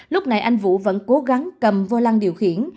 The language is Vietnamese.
lúc này anh vũ vẫn cố gắng cầm vô lăng điều khiển